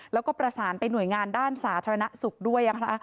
แล้วก็ประสานไปหน่วยงานด้านสาธารณสุขด้วย